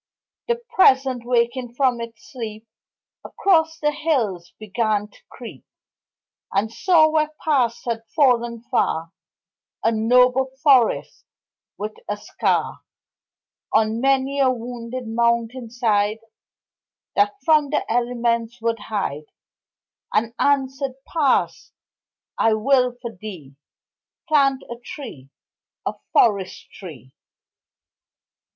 The Present, waking from its sleep, Across the hills began to creep, And saw where Past had fallen far A noble forest, with a scar On many a wounded mountain side That from the elements would hide And answered: Past, I will for thee Plant a tree, A forest tree.